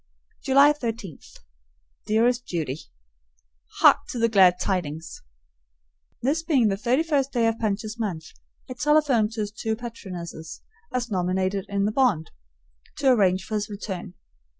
July 13. Dearest Judy: Hark to the glad tidings! This being the thirty first day of Punch's month, I telephoned to his two patronesses, as nominated in the bond, to arrange for his return.